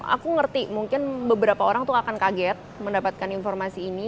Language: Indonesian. aku ngerti mungkin beberapa orang tuh akan kaget mendapatkan informasi ini